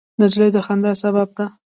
نجلۍ د خندا سبب ده.